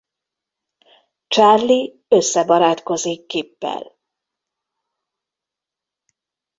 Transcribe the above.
Charlie összebarátkozik Kippel.